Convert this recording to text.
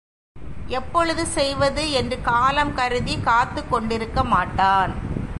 எப்பொழுது செய்வது? என்று காலம் கருதிக் காத்துக் கொண்டிருக்க மாட்டான்.